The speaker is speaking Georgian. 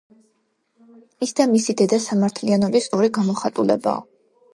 ის და მისი დედა სამართლიანობის ორი გამოხატულებაა.